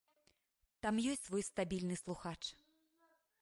Там ёсць свой стабільны слухач.